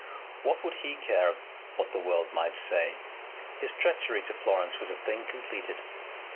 What would he care what the world might say? His treachery to Florence was a thing completed.